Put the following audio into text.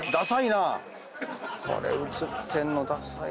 これ映ってんのダサい。